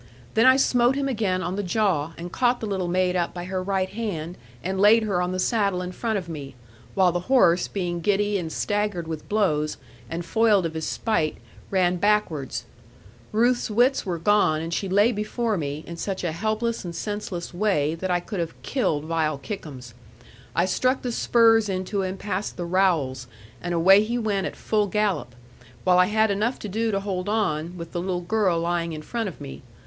Then I smote him again on the jaw, and caught the little maid up by her right hand, and laid her on the saddle in front of me; while the horse being giddy and staggered with blows, and foiled of his spite, ran backward. Ruth's wits were gone; and she lay before me, in such a helpless and senseless way that I could have killed vile Kickums. I struck the spurs into him past the rowels, and away he went at full gallop; while I had enough to do to hold on, with the little girl lying in front of me.